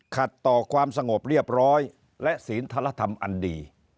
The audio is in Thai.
ขัดต่อความสงบเรียบร้อยและศีลธรรมอันดี